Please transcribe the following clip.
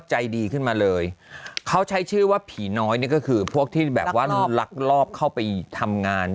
ใจดีขึ้นมาเลยเขาใช้ชื่อว่าผีน้อยนี่ก็คือพวกที่แบบว่าลักลอบเข้าไปทำงาน